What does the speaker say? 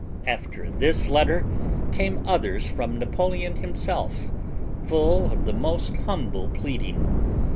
After this letter came others from Napoleon himself, full of the most humble pleading.